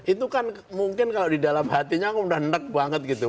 itu kan mungkin kalau di dalam hatinya aku udah nek banget gitu